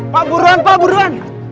pak buruan pak buruan